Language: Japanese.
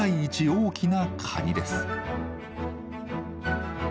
大きなカニです。